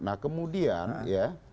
nah kemudian ya